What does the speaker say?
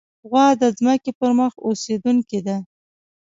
غوا د ځمکې پر مخ اوسېدونکې ده.